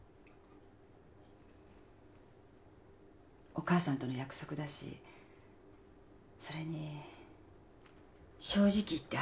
お母さんとの約束だしそれに正直言って当てにもしてる。